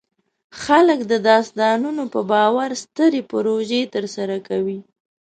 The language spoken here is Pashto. خلک د داستانونو په باور سترې پروژې ترسره کوي.